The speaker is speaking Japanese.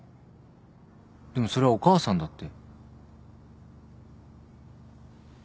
でもそれはお母さんだって。